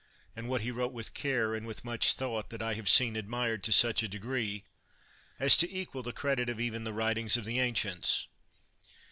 And what he wrote with care and with much thought, that I have seen admired to such a degree, as to equal the credit of even the writings of the ancients.